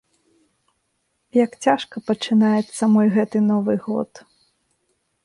Як цяжка пачынаецца мой гэты новы год.